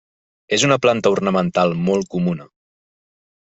És una planta ornamental molt comuna.